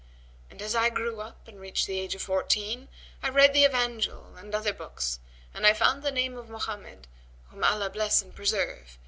And as I grew up and reached the age of fourteen, I read the Evangel and other books and I found the name of Mohammed (whom Allah bless and preserve!)